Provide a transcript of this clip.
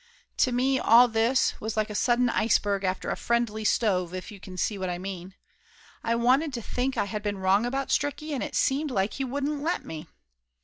To me all this was like a sudden iceberg after a friendly stove if you can see what I mean. I wanted to think I had been wrong about Stricky and it seemed like he wouldn't let me.